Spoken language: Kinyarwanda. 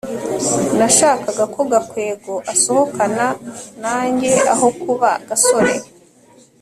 nashakaga ko gakwego asohokana nanjye aho kuba gasore